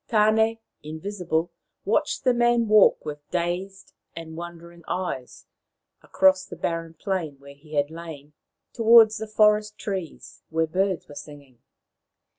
Tane, invisible, watched the man walk with dazed and wondering eyes across the barren plain where he had lain towards the forest trees where birds were singing.